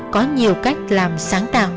có nhiều cách làm sáng tạo